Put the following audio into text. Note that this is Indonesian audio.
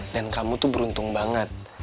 dan kamu tuh beruntung banget